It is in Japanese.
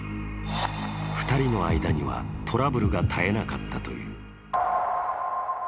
２人の間にはトラブルが絶えなかったという。